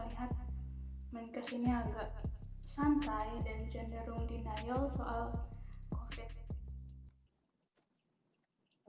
malah di awal saya melihat menikah ini agak santai dan jenderal denial soal covid sembilan belas